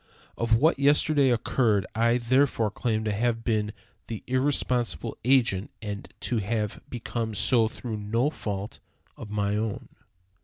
Of what yesterday occurred I therefore claim to have been the irresponsible agent, and to have become so through no fault of my own.